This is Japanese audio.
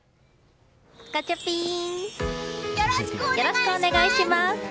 よろしくお願いします！